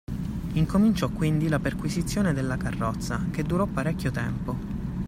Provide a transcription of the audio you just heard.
Incominciò quindi la perquisizione della carrozza, che durò parecchio tempo.